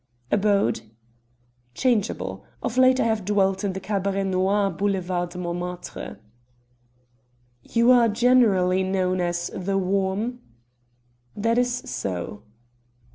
"Abode?" "Changeable. Of late I have dwelt in the Cabaret Noir, Boulevard de Montmartre." "You are generally known as 'The Worm?'" "That is so."